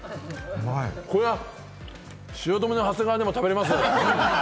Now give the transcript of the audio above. これは汐留の長谷川でも食べれます！